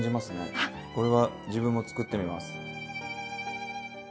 これは自分も作ってみます。